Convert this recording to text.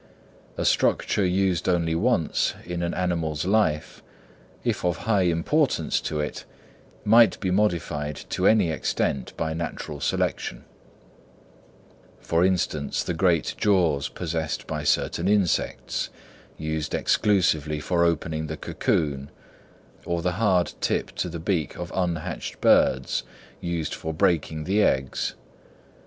A structure used only once in an animal's life, if of high importance to it, might be modified to any extent by natural selection; for instance, the great jaws possessed by certain insects, used exclusively for opening the cocoon—or the hard tip to the beak of unhatched birds, used for breaking the eggs.